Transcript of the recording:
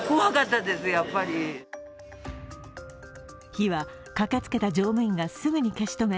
火は駆けつけた乗務員がすぐに消し止め